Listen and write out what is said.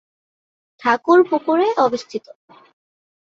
ঠাকুরপুকুর এ অবস্থিত।